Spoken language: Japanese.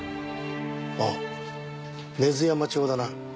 ああ根津山町だな？